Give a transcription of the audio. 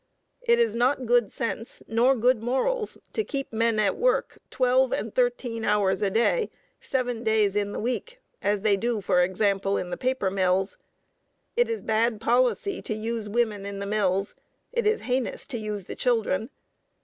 It is not good sense nor good morals to keep men at work twelve and thirteen hours a day, seven days in the week, as they do, for example, in the paper mills. It is bad policy to use women in the mills; it is heinous to use the children.